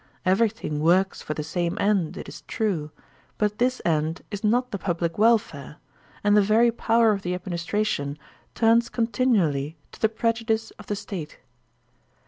Everything works for the same end, it is true; but this end is not the public welfare, and the very power of the administration turns continually to the prejudice of the State.